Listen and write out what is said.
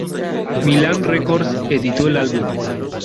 Milan Records editó el álbum.